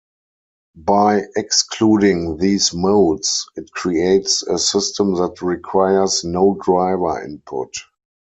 By excluding these modes it creates a system that requires no driver input.